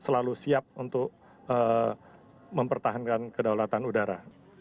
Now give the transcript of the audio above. kami harus siap untuk mempertahankan kedaulatan udara